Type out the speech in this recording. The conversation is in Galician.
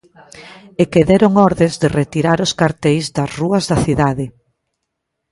E que deron ordes de retirar os carteis das rúas da cidade.